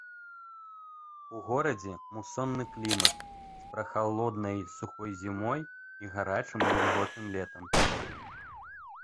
У горадзе мусонны клімат з прахалоднай сухой зімой і гарачым вільготным летам.